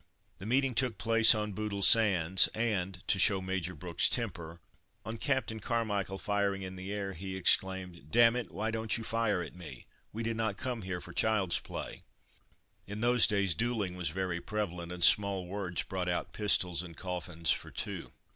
The meeting took place on Bootle Sands, and, to show Major Brooks's temper, on Captain Carmichael firing in the air, he exclaimed: "D it, why don't you fire at me we did not come here for child's play!" In those days duelling was very prevalent, and small words brought out pistols and coffins for two.